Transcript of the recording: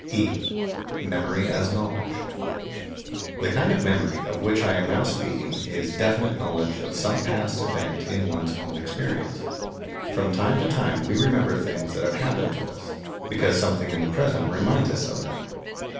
(e) MEMORY AS KNOWLEDGE. The kind of memory of which I am now speaking is definite knowledge of some past event in one's own experience. From time to time we remember things that have happened to us, because something in the present reminds us of them.